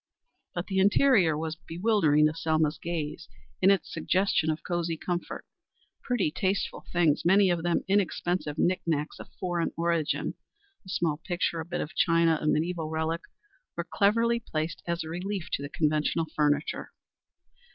But the interior was bewildering to Selma's gaze in its suggestion of cosey comfort. Pretty, tasteful things, many of them inexpensive knick knacks of foreign origin a small picture, a bit of china, a mediæval relic were cleverly placed as a relief to the conventional furniture.